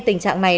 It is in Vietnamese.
tình trạng này